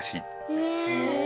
へえ。